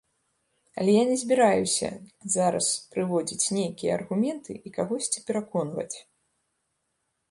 Але я не збіраюся зараз прыводзіць нейкія аргументы і кагосьці пераконваць.